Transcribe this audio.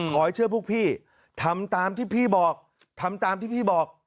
ขอให้เชื่อพวกพี่ทำตามที่พี่บอกทำตามที่พี่บอก